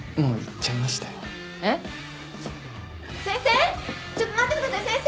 ちょっと待ってください先生？